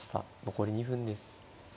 残り２分です。